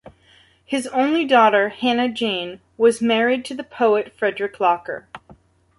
His only daughter, Hannah Jane, was married to the poet Frederick Locker.